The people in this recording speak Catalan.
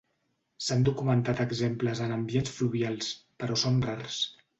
S'han documentat exemples en ambients fluvials, però són rars.